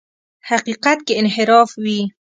حقیقت کې انحراف وي.